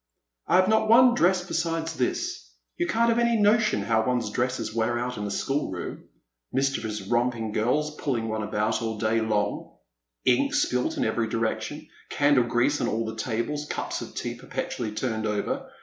*' I have not one dress besides this. You can't have any notion how one's dresses wear out in a schoolroom — mischievous romping girls puUing one about all day long, ink spilt in every direction, candle grease on all the tables, cups of tea perpetually turned over.